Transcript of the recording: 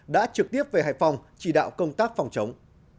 đã trực tiếp về hải phòng chỉ đạo công tác phòng chống